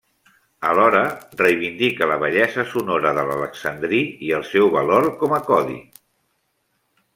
Alhora, reivindica la bellesa sonora de l'alexandrí i el seu valor com a codi.